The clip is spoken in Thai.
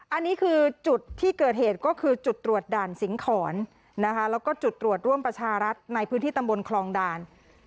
อันนี้คือจุดที่เกิดเหตุก็คือจุดตรวจด่านสิงหอนนะคะแล้วก็จุดตรวจร่วมประชารัฐในพื้นที่ตำบลคลองด่าน